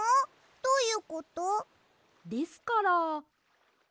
どういうこと？ですから。